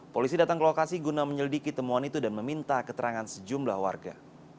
polisi datang ke lokasi guna menyelidiki temuan itu dan meminta keterangan sejumlah warga